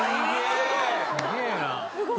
すげぇな。